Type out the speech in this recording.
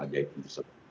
jadi itu sudah